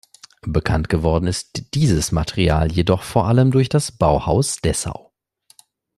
Bekannt geworden ist dieses Material jedoch vor allem durch das Bauhaus Dessau.